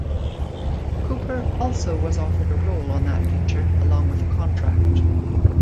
Cooper also was offered a role on that feature along with a contract.